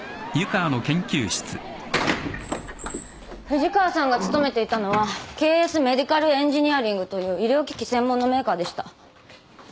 藤川さんが勤めていたのは「Ｋ．Ｓメディカルエンジニアリング」という医療機器専門のメーカーでした。